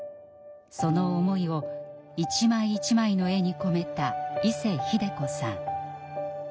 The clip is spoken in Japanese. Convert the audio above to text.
その思いを一枚一枚の絵に込めたいせひでこさん。